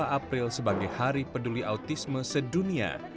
dua puluh april sebagai hari peduli autisme sedunia